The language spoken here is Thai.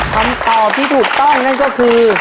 คำตอบที่ถูกต้องนั่นก็คือ